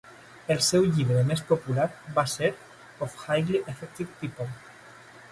El seu llibre més popular va ser "of Highly Effective People".